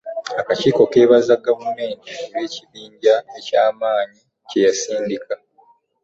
Akakiiko keebaza Gavumenti olw’ekibinja eky’amaanyi kye yasindika.